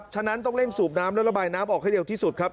ฉะนั้นต้องเร่งสูบน้ำและระบายน้ำออกให้เร็วที่สุดครับ